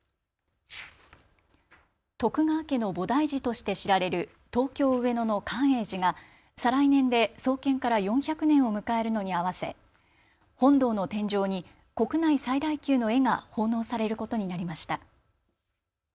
徳川家の菩提寺として知られる東京上野の寛永寺が再来年で創建から４００年を迎えるのに合わせ本堂の天井に国内最大級の絵が奉納されることになりました。